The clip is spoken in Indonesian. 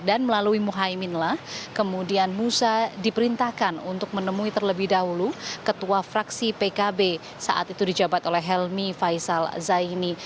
dan melalui mohamed lah kemudian musa diperintahkan untuk menemui terlebih dahulu ketua fraksi pkb saat itu dijabat oleh helmi faisal zaini